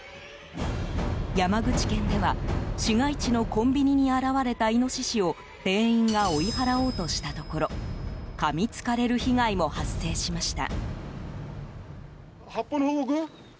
山口県では、市街地のコンビニに現れたイノシシを店員が追い払おうとしたところかみつかれる被害も発生しました。